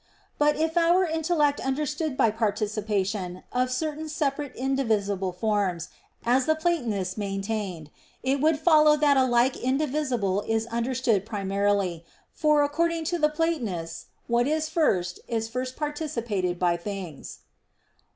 But if our intellect understood by participation of certain separate indivisible (forms), as the Platonists maintained, it would follow that a like indivisible is understood primarily; for according to the Platonists what is first is first participated by things.